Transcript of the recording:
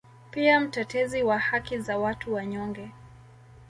Pia mtetezi wa haki za watu wanyonge